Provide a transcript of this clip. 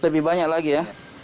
lebih banyak lagi ya